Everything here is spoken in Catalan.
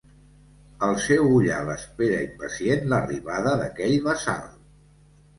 El seu ullal espera impacient l'arribada d'aquell bassal.